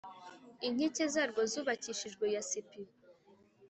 Inkike zarwo zubakishijwe yasipi,